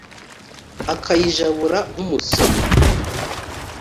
akayijabura nk'umusomyo